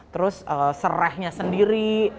terus serahnya sendiri